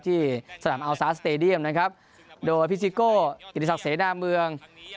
ที่สนามอัลซาสสเตดียมนะครับโดยพี่ซิโก้กิติศักดิเสนาเมือง